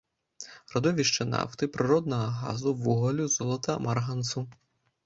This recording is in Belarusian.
Радовішчы нафты, прыроднага газу, вугалю, золата, марганцу.